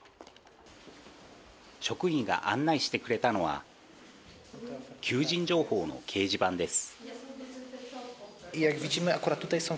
職員が案内してくれたのは求人情報の掲示板です。